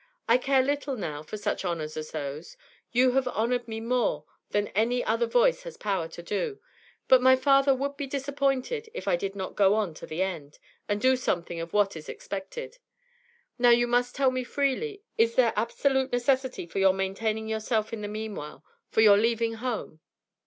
I care little now for such honours as those; you have honoured me more than any other voice has power to do. But my father would be disappointed if I did not go on to the end, and do something of what is expected. Now you must tell me freely is there absolute necessity for your maintaining yourself in the meanwhile, for your leaving home?'